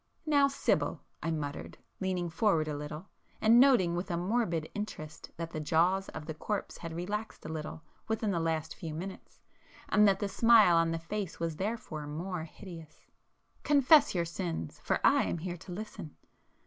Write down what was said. "Now Sibyl,"—I muttered, leaning forward a little, and noting with a morbid interest that the jaws of the corpse had relaxed a little within the last few minutes, and that the smile on the face was therefore more hideous—"Confess your sins!—for I am here to listen.